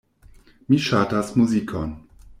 Mi ŝatas muzikon.